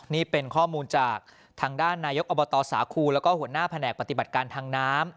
นี่เป็นข้อมูลจากทางด้านนายกอบตสาครูแล้วก็หัวหน้าแผนกปฏิบัติการทางน้ำ